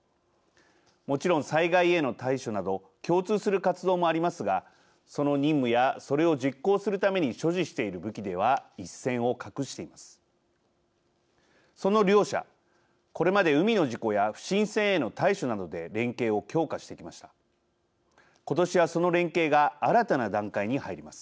もちろん災害への対処など共通する活動もありますがその任務やそれを実行するために所持している武器では一線を画しています。